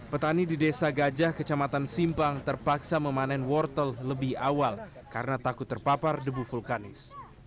petani di desa gajah kecamatan simpang terpaksa memanen wortel lebih awal karena takut terpapar debu vulkanis